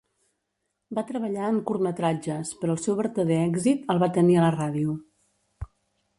Va treballar en curtmetratges, però el seu vertader èxit el va tenir a la ràdio.